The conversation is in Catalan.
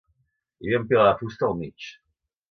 Hi havia un pilar de fusta al mig.